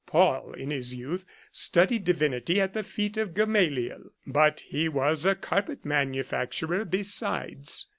Paul in his youth studied divinity at the feet of Gamaliel, but he was a carpet manufacturer besides.